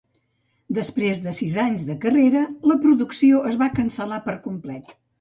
Després de sis anys de carrera, la producció es va cancel·lar per complet.